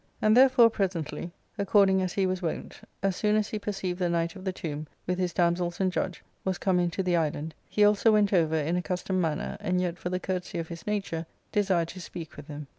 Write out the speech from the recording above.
And, therefore, 31 8 ARCADIA. ^Booh TIL presently, according as he was wont, as soon as he perceived the Knight of the Tomb, with his damosels and judge, was come into the island, he also went over in accustomed man ner, and yet, for the courtesy of his nature, desired to speak with him.